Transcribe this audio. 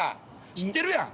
知ってるやん。